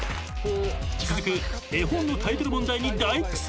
［続く絵本のタイトル問題に大苦戦］